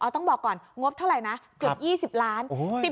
ต้องบอกก่อนงบเท่าไหร่นะเกือบ๒๐ล้าน